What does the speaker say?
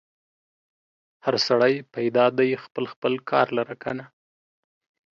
هر سړی پیدا دی خپل خپل کار لره که نه؟